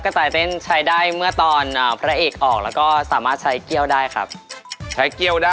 อ๋อออกพร้อมกันไม่มีใครได้เปรียบเสียเปรียบ